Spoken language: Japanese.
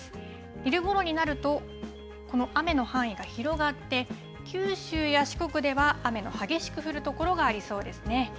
昼ごろになると、この雨の範囲が広がって、九州や四国では雨の激しく降る所がありそうですね。